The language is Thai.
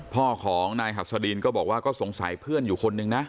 พ่อของนายหัสดินก็บอกว่าก็สงสัยเพื่อนอยู่คนนึงนะ